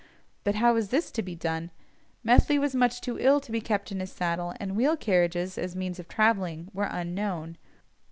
But how was this to be done? Methley was much too ill to be kept in his saddle, and wheel carriages, as means of travelling, were unknown.